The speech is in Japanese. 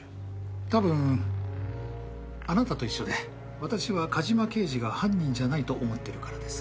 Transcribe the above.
多分あなたと一緒で私は梶間刑事が犯人じゃないと思ってるからです。